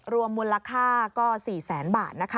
รวมมูลค่าก็๔แสนบาท